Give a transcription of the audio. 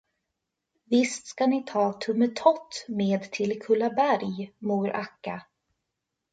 Visst ska ni ta Tummetott med till Kullaberg, mor Akka.